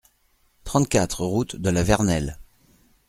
trente-quatre route de la Vernelle